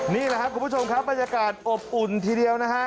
นี่แหละครับคุณผู้ชมครับบรรยากาศอบอุ่นทีเดียวนะฮะ